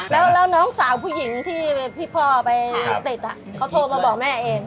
แล้วน้องสาวผู้หญิงที่พ่อไปติดเขาโทรมาบอกแม่เอง